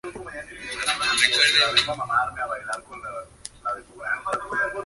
Sin embargo, para entonces las evacuaciones seguían sin haber comenzado.